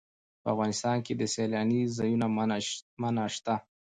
په افغانستان کې د سیلانی ځایونه منابع شته.